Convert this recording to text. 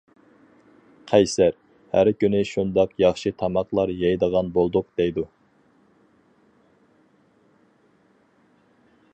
قەيسەر:-ھەر كۈنى شۇنداق ياخشى تاماقلار يەيدىغان بولدۇق دەيدۇ.